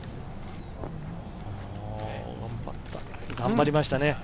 頑張りましたね。